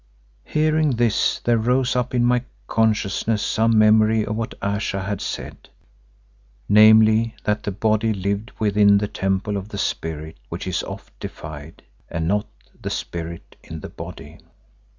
Hearing this there rose up in my consciousness some memory of what Ayesha had said; namely, that the body lived within the temple of the spirit which is oft defied, and not the spirit in the body.